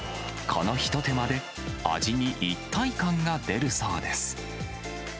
この一手間で、味に一体感が出るそうです。